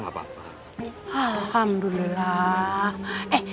saya tidak ada yang menguruskan